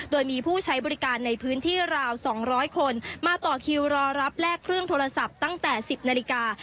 โดยมีผู้ใช้บริการในพื้นที่ราว๒๐๐คนมาต่อคิวรอรับแลกเครื่องโทรศัพท์ตั้งแต่๑๐นาฬิกา